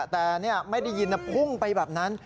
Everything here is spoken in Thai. แต่ไม่ได้ยินพุ่งไปแบบนั้น